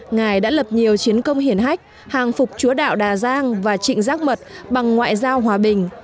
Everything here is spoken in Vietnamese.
ngài đã lập nhiều chiến công hiển hách hàng phục chúa đạo đà giang và trịnh giác mật bằng ngoại giao hòa bình